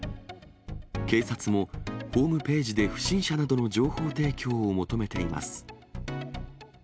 警察も、ホームページで不審者などの情報提供を求めています。